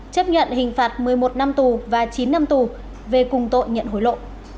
chấp nhận hình phạt một mươi một năm tù và chín năm tù về cùng tội nhận hối lộ